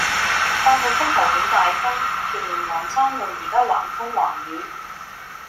八號風球好大風，屯門環山路依家橫風橫雨